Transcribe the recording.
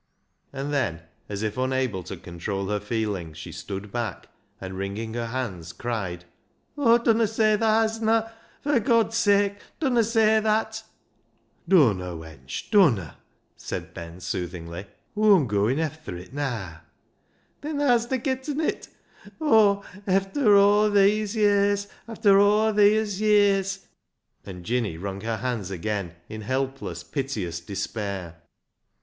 And then, as if unable to control her feelings, she stood back, and, wringing her hands, cried —" Oh, dunna say thaa hasna ! for God's sake, dunna say that !"" Dunna, wench ; dunna," said Ben soothingly. " Aw'm gooin' efther it naa." " Then thaa hasna getten it ! Oh, efther aw theeas ye'rs, efther aw theeas ye'rs," and Jinny wrung her hands again in helpless, piteous despair.